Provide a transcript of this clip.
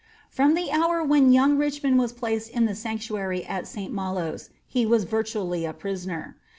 From the hour when young Richmond was placed in the sanctuair at Sl Malos, he was virtually a prisoner.